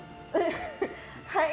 はい。